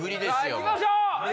さぁいきましょう！